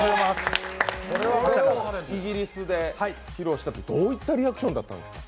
イギリスで披露したときどういったリアクションだったんですか？